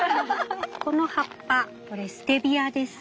この葉っぱステビアです。